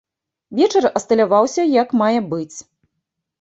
Вечар асталяваўся як мае быць.